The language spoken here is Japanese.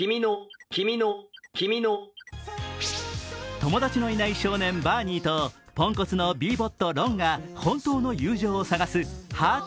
友達のいないバーニーとポンコツのＢボット、ロンが本当の友情を探すハート